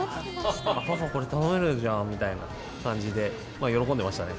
パパ、これ頼めるじゃんみたいな感じで、喜んでましたね。